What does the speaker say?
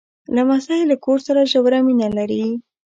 لمسی له کور سره ژوره مینه لري.